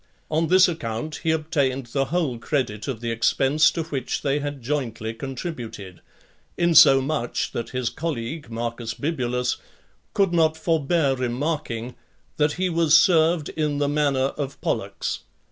On this account, he obtained the whole credit of the expense to which they had jointly contributed; insomuch that his colleague, Marcus Bibulus, could not forbear remarking, that he was served in the manner of Pollux.